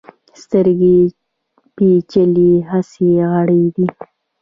سترګې پیچلي حسي غړي دي.